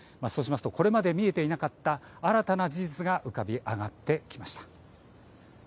これまで見えていなかった新たな事実が浮かび上がってきました。